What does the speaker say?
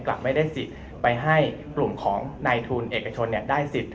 กลับไม่ได้สิทธิ์ไปให้กลุ่มของนายทุนเอกชนได้สิทธิ